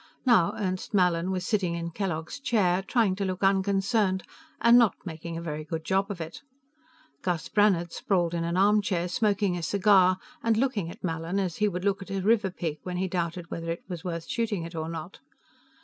Now Ernst Mallin was sitting in Kellogg's chair, trying to look unconcerned and not making a very good job of it. Gus Brannhard sprawled in an armchair, smoking a cigar and looking at Mallin as he would look at a river pig when he doubted whether it was worth shooting it or not.